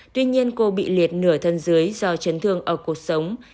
tuy nhiên cô bị liệt nửa thân dưới do chấn thương ở cuộc sống